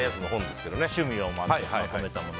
趣味をまとめたもの。